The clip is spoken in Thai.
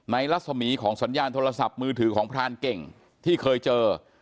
รัศมีของสัญญาณโทรศัพท์มือถือของพรานเก่งที่เคยเจอ